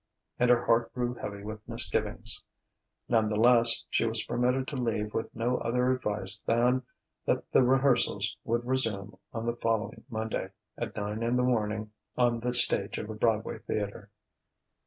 And her heart grew heavy with misgivings. None the less, she was permitted to leave with no other advice than that the rehearsals would resume on the following Monday, at nine in the morning, on the stage of a Broadway theatre.